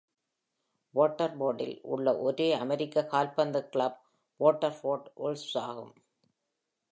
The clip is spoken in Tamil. வாட்டர்ஃபோர்டில் உள்ள ஒரே அமெரிக்க கால்பந்து கிளப் வாட்டர்ஃபோர்ட் உல்வ்ஸ் ஆகும்.